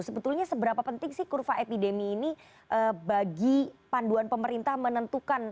sebetulnya seberapa penting sih kurva epidemi ini bagi panduan pemerintah menentukan